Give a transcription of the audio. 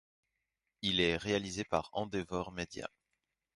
Il est réalisé par Endeavor Media.